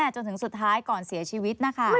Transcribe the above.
จนถึงสุดท้ายก่อนเสียชีวิตนะคะ